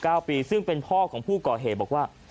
เก้าปีซึ่งเป็นพ่อของผู้ก่อเหตุบอกว่า